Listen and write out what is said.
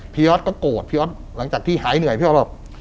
พี่อธก็โกรธพี่อธหายเหนื่อยพี่อธก็บอก